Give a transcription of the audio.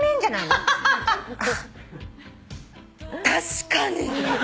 確かに。